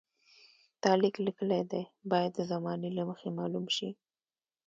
تا لیک لیکلی دی باید د زمانې له مخې معلوم شي.